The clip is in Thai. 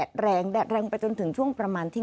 ค่ะคือเมื่อวานี้ค่ะ